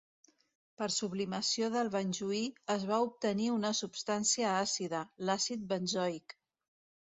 Per sublimació del benjuí es va obtenir una substància àcida, l'àcid benzoic.